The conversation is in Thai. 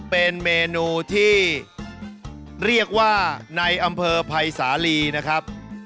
เป็นเมนูที่เรียกว่าในอำเภอภัยสาลีนะครับ